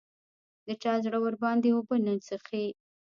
د چا زړه ورباندې اوبه نه څښي